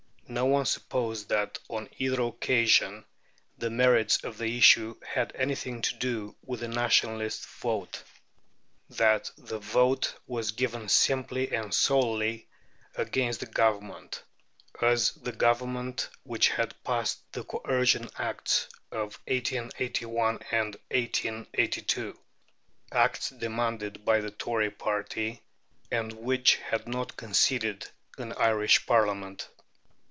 No one supposed that on either occasion the merits of the issue had anything to do with the Nationalist vote: that vote was given simply and solely against the Government, as the Government which had passed the Coercion Acts of 1881 and 1882 Acts demanded by the Tory party, and which had not conceded an Irish Parliament.